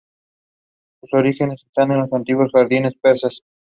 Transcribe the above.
Sus orígenes están en los antiguos jardines persas.